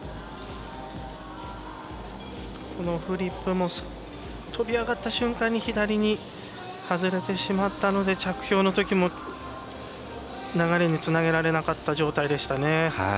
このフリップも跳び上がった瞬間に左に外れてしまったので着氷のときも流れにつなげられなかった状態でしたね。